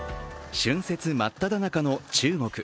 春節真っただ中の中国。